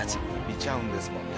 見ちゃうんですもんね